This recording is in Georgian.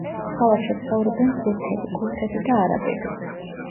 ქალაქში ცხოვრობენ თურქები, ქურთები და არაბები.